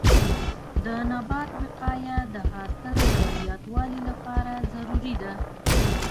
د نباتو وقایه د حاصل د زیاتوالي لپاره ضروري ده.